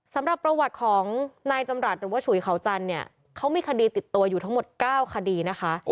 สำหรับประวัติของนายจำรัฐหรือว่าฉุยเขาจันทร์เนี่ยเขามีคดีติดตัวอยู่ทั้งหมด๙คดีนะคะ